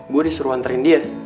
gue disuruh nganterin dia